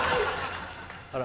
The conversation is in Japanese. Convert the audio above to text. あら。